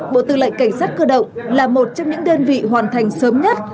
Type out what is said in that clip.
bộ tư lệnh cảnh sát cơ động là một trong những đơn vị hoàn thành sớm nhất